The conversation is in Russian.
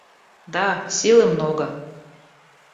Да, силы много.